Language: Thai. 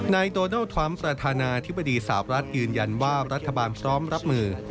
นายโดนัลด์ทรัมป์ประธานาธิบดีสาวรัฐยืนยันว่ารัฐบาลพร้อมรับมือ